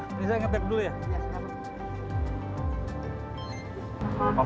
pembelajaran dari pembelajaran pengembangan jawa tenggara